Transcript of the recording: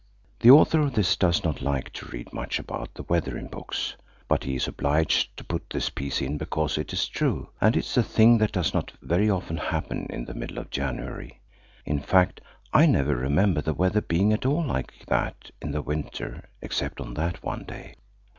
The author of this does not like to read much about the weather in books, but he is obliged to put this piece in because it is true; and it is a thing that does not very often happen in the middle of January. In fact, I never remember the weather being at all like that in the winter except on that one day.